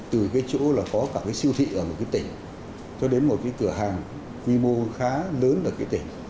từ cái chỗ là có cả cái siêu thị ở một cái tỉnh cho đến một cái cửa hàng quy mô khá lớn ở cái tỉnh